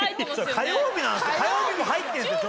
火曜日火曜日も入ってるんですよ。